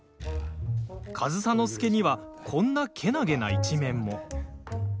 上総介にはこんな、けなげな一面も。